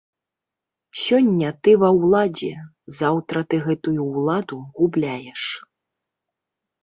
Сёння ты ва ўладзе, заўтра ты гэтую ўладу губляеш.